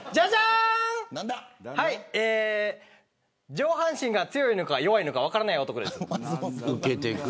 上半身が強いのか弱いのか分からない男です。